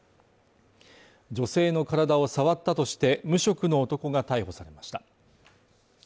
女性の体を触ったとして無職の男が逮捕されました。